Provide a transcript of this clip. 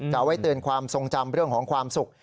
เอาไว้เตือนความทรงจำเรื่องของความสุข